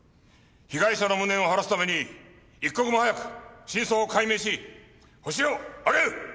被害者の無念を晴らすために一刻も早く真相を解明しホシを挙げる！